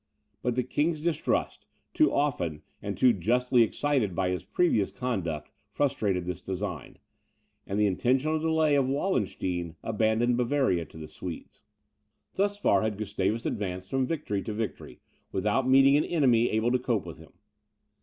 But the King's distrust, too often and too justly excited by his previous conduct, frustrated this design; and the intentional delay of Wallenstein abandoned Bavaria to the Swedes. Thus far had Gustavus advanced from victory to victory, without meeting with an enemy able to cope with him.